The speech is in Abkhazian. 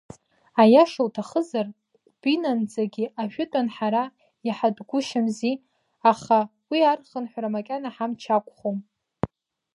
Аиаша уҭахызар Ҟәбинанӡагьы ажәытәан ҳара иҳатәгәышьамзи, аха уи архынҳәра макьана ҳамч ақәхом!